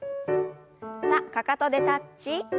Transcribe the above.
さあかかとでタッチ。